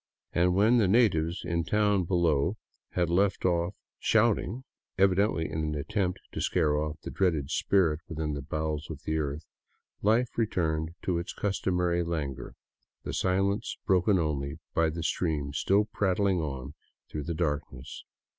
and when the natives in the town below had left off shouting, evidently in an attempt to scare off the dreaded spirit within the bowels of the earth, life returned to its customary languor, the silence broken only by the stream still prattling on through the dark ness.